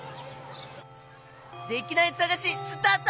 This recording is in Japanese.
できないさがしスタート！